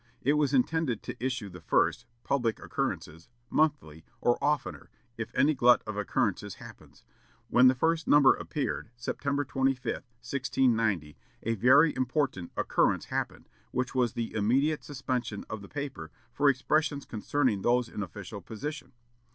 It was intended to issue the first Publick Occurrences monthly, or oftener, "if any glut of occurrences happens." When the first number appeared, September 25, 1690, a very important "occurrence happened," which was the immediate suspension of the paper for expressions concerning those in official position.